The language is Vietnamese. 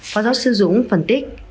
phó giáo sư dũng phân tích